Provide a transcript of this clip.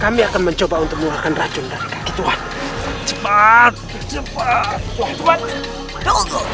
kami akan mencoba untuk mengeluarkan racun dari kaki tuhan cepat cepat